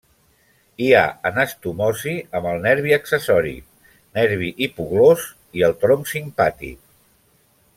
Hi ha anastomosi amb el nervi accessori, nervi hipoglòs i el tronc simpàtic.